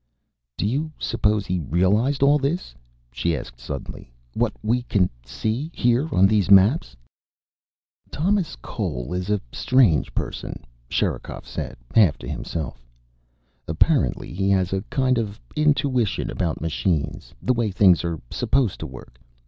"Do you suppose he realized all this?" she asked suddenly. "What we can see, here on these maps?" "Thomas Cole is a strange person," Sherikov said, half to himself. "Apparently he has a kind of intuition about machines, the way things are supposed to work.